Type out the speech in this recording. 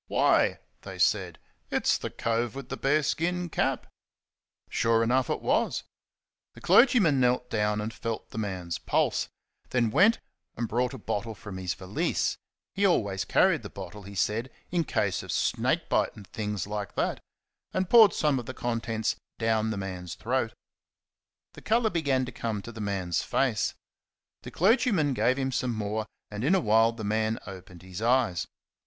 "Why," they said, "it's the cove with the bear skin cap!" Sure enough it was. The clergyman knelt down and felt the man's pulse; then went and brought a bottle from his valise he always carried the bottle, he said, in case of snake bite and things like that and poured some of the contents down the man's throat. The colour began to come to the man's face. The clergyman gave him some more, and in a while the man opened his eyes.